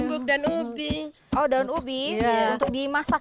kepada mereka mereka juga berpikir bahwa mereka akan menjadi perempuan